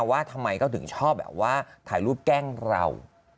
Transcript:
ว่าทำไมเขาถึงชอบแบบว่าถ่ายรูปแกล้งเรา